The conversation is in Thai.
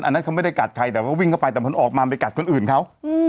อันนั้นเขาไม่ได้กัดใครแต่ว่าวิ่งเข้าไปแต่มันออกมาไปกัดคนอื่นเขา